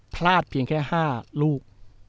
พลาดเพียงแค่๕ลูก